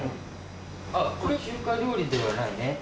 あっこれ中華料理ではないね。